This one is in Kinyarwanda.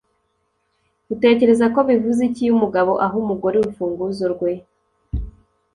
Utekereza ko bivuze iki iyo umugabo aha umugore urufunguzo rwe